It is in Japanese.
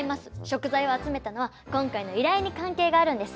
食材を集めたのは今回の依頼に関係があるんです。